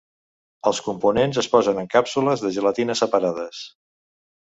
Els components es posen en càpsules de gelatina separades.